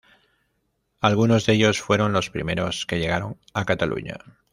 Algunos de ellos fueron los primeros que llegaron a Cataluña.